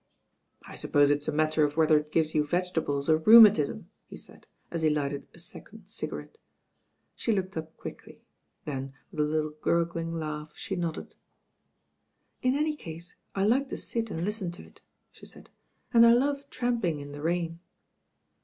"I suppose it's a matter of whether it gives you vegetables or rheumatism," he said as he lighted a second cigarette. She looked up quickly; then, with a little gurgling laugh, she nodded. "In any case I like to sit and listen to it," she said, "and I love tramping in the rain."